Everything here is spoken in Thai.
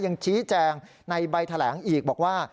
ยังชี้แจงในใบแถลงอีกบอกว่า